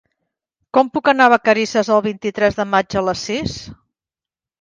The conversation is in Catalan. Com puc anar a Vacarisses el vint-i-tres de maig a les sis?